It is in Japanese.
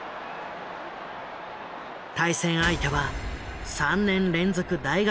対戦相手は３年連続大学